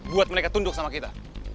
buat mereka tunduk sama kita